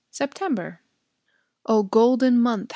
September O golden month!